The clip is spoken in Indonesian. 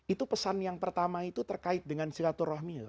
itu pesan yang pertama itu terkait dengan silaturahmi loh